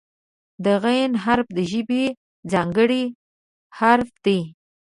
د "غ" حرف د ژبې ځانګړی حرف دی.